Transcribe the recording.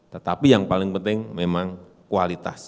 tetapi yang paling penting memang kualitas